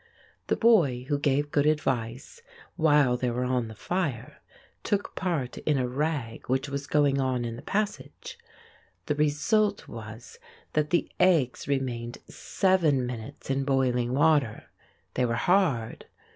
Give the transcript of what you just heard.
The boy who gave good advice, while they were on the fire, took part in a rag that which was going on in the passage; the result was that the eggs remained seven minutes in boiling water. They were hard.